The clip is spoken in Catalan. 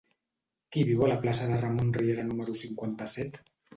Qui viu a la plaça de Ramon Riera número cinquanta-set?